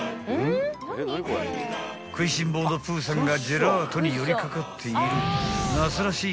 ［食いしん坊のプーさんがジェラートに寄り掛かっている夏らしい